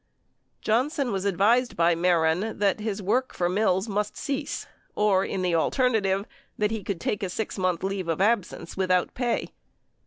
38 Johnson was advised by Mehren that his work for Mills must cease, or in the alternative, he could take a 6 month leave of absence without pay.